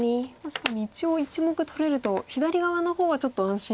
確かに一応１目取れると左側の方はちょっと安心。